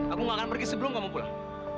aku gak akan pergi sebelum kamu pulang